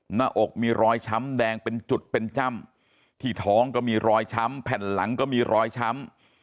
หน้าอกมีรอยช้ำแดงเป็นจุดเป็นจ้ำที่ท้องก็มีรอยช้ำแผ่นหลังก็มีรอยช้ำ